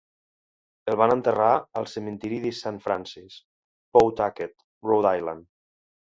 El van enterrar al cementiri de Saint Francis, Pawtucket, Rhode Island.